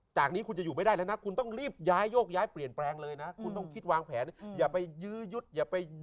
ที่ที่นี้ออกไว้ผิดกฏหมาย